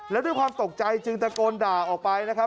แล้วด้วยความตกใจจึงตะโกนด่าออกไปนะครับ